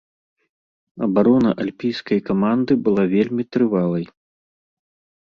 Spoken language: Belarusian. Абарона альпійскай каманды была вельмі трывалай.